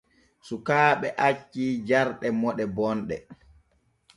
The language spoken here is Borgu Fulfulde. Sukaaɓe acca jarɗe moɗe bonɗe.